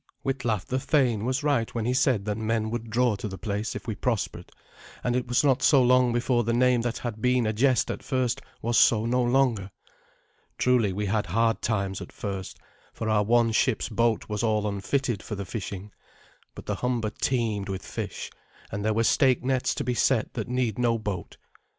Witlaf the thane was right when he said that men would draw to the place if we prospered, and it was not so long before the name that had been a jest at first was so no longer. Truly we had hard times at first, for our one ship's boat was all unfitted for the fishing; but the Humber teemed with fish, and there were stake nets to be set that need no boat.